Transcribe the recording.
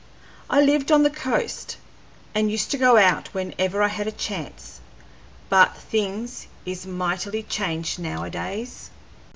I lived on the coast, and used to go out whenever I had a chance, but things is mightily changed nowadays.